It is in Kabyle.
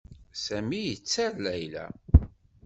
Sami yetter Layla.